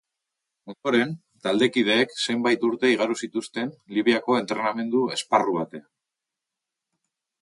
Ondoren, taldekideek zenbait urte igaro zituzten Libiako entrenamendu-esparru batean.